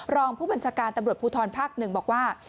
รองผู้บัญชาการตำรวจภูทรภาค๑บอกว่า